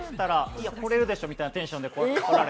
いや来れるでしょみたいなテンションで。